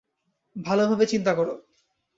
ভালোভাবে চিন্তা করো!